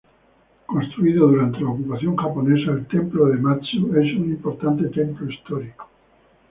Construido durante la ocupación japonesa, el Templo de Matsu es un importante templo histórico.